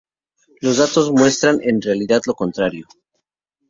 Los datos muestran en realidad lo contrario.